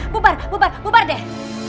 bupar bupar bupar deh